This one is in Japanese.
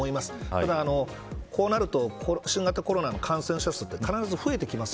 ただこうなると新型コロナの感染者数は必ず増えてきます。